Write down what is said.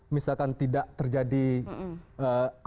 misalkan tidak terjadi apa gitu atau sesuatu yang terjadi